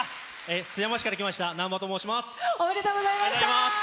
津山市から来ましたなんばと申します。